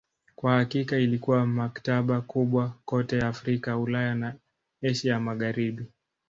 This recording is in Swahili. Kwa hakika ilikuwa maktaba kubwa kote Afrika, Ulaya na Asia ya Magharibi.